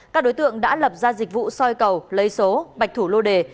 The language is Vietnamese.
các đối tượng đã lập ra dịch vụ soi cầu lấy số bạch thủ lô đề